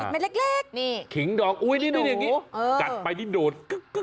มันเล็กขิงดอกอุ้ยนี่กัดไปดิโดด